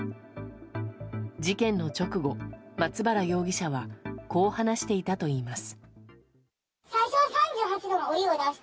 事件の直後、松原容疑者はこう話していたといいます。